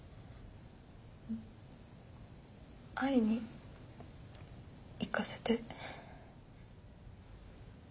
会いに行かせて。